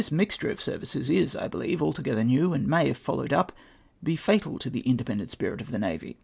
mixture of services is, I believe, altogetlier uew, and may, if followed up, be fatal to the indeioendent spirit of the navy.